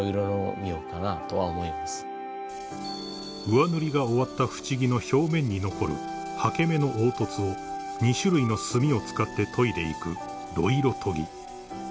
［上塗りが終わった縁木の表面に残るはけ目の凹凸を２種類の炭を使って研いでいく］